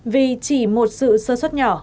vì chỉ một sự sơ xuất nhỏ